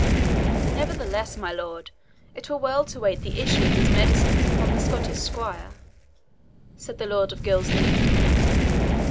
"Nevertheless, my lord, it were well to wait the issue of these medicines upon the Scottish squire," said the Lord of Gilsland.